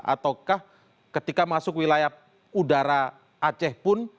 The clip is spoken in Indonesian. ataukah ketika masuk wilayah udara aceh pun